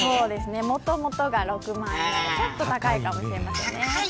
もともとが６万円でちょっと高いかもしれないね。